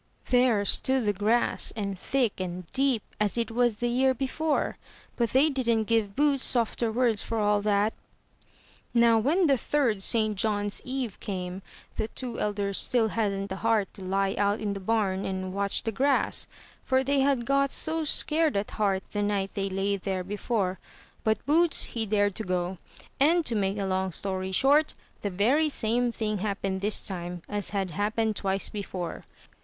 There stood the grass and thick and deep, as it was the year before; but they didn't give Boots softer words for all that. Now, when the third St. John's eve came, the two elder still hadn't the heart to he out in the bam and watch the grass, for they had got so scared at heart th9(m^iil they lay there before, but Boots, he dared to go; and, to make a long story short, the very same thing happened this time as had happened twice before.